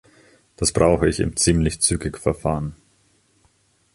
Das brauche ich im ziemlig zügig Verfahren.